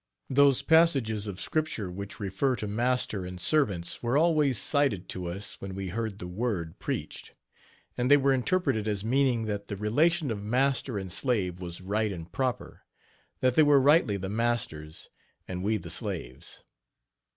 " Those passages of Scripture which refer to master and servants were always cited to us when we heard the Word preached; and they were interpeted as meaning that the relation of master and slave was right and proper that they were rightly the masters and we the slaves.